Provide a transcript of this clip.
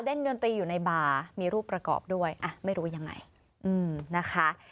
ดนตรีอยู่ในบาร์มีรูปประกอบด้วยอ่ะไม่รู้ยังไงนะคะ